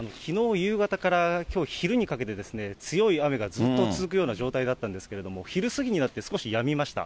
夕方からきょう昼にかけて、強い雨がずっと続くような状態だったんですけれども、昼過ぎになって少しやみました。